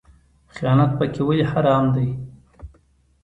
خیانت پکې ولې حرام دی؟